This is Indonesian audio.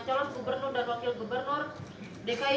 calon gubernur dan wakil gubernur dki